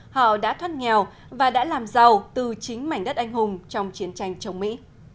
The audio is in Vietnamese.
họ đã thoát nghèo và đã làm giàu từ chính mảnh đất anh hùng trong chiến tranh chống mỹ